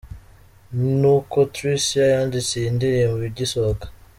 N’uko Tricia yanditse iyi ndirimbo igisohoka.